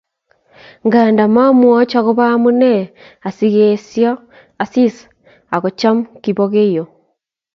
Nganda momwoch agobo amune asikoesio Asisi akocham Kipokeo